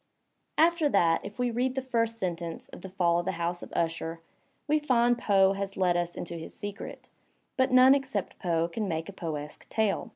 After that, if we read the first sentence of "The Fall of the House of Usher," we find Poe Digitized by Google POE 147 has let us into his secret — but none except Poe can make a Poesque tale.